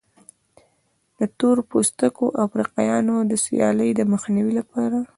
د تور پوستو افریقایانو د سیالۍ د مخنیوي لپاره.